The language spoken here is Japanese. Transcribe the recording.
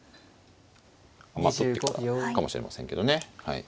まあ取ってからかもしれませんけどね。